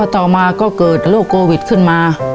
ต่อมาก็เกิดโรคโควิดขึ้นมา